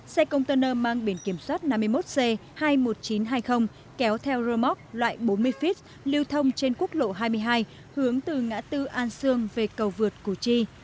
xe container mang biển kiểm soát năm mươi một c hai mươi một nghìn chín trăm hai mươi kéo theo rơ móc loại bốn mươi feet lưu thông trên quốc lộ hai mươi hai hướng từ ngã tư an sương về cầu vượt củ chi